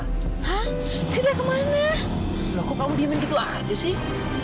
hah sita kemana lo kok kamu diamin gitu aja sih